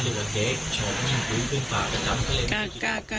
หรือว่าแกชอบยิงฟื้นขึ้นฝากกันตาม